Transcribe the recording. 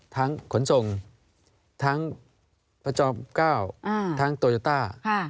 ทั้งขนส่งทั้งประจอบเก้าทั้งโตโยต้า